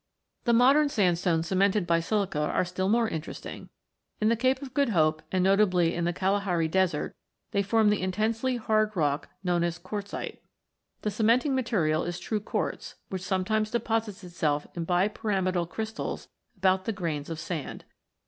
The modern sandstones cemented by silica are still more interesting. In the Cape of Good Hope, and notably in the Kalahari desert, they form the intensely hard rock known as QuartziteAw). The cementing material is true quartz, which sometimes deposits itself in bipyramidal crystals about the grains of sand.